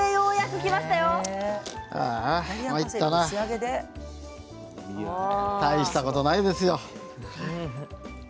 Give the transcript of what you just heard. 困ったな大したことないですよ。